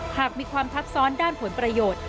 หากมีความทับซ้อนด้านผลประโยชน์